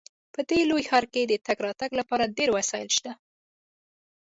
په دې لوی ښار کې د تګ راتګ لپاره ډیر وسایل شته